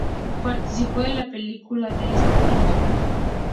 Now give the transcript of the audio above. Participó de la película de "Esta es tu vida".